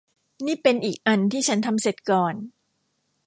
นี่เป็นอีกอันที่ฉันทำเสร็จก่อน